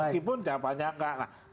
visualnya seperti itu